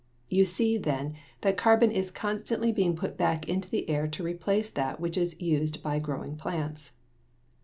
You see, then, that carbon is constantly being put back into the air to replace that which is used by growing plants.